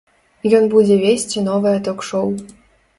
Ён будзе весці новае ток-шоў.